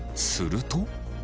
すると。